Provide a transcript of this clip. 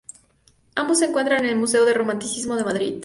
Ambos se encuentran en el museo del Romanticismo de Madrid.